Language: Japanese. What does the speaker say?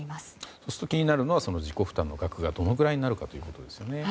そうすると気になるのが自己負担の額がどのくらいになるかということですよね。